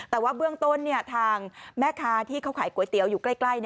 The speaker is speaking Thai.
แต่ว่าเบื้องต้นทางแม่ค้าที่เขาขายก๋วยเตี๋ยวอยู่ใกล้